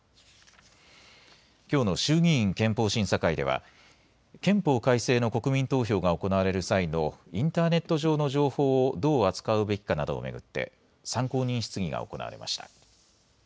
きょうの衆議院憲法審査会では憲法改正の国民投票が行われる際のインターネット上の情報をどう扱うべきかなどを巡って参考人質疑が行われました。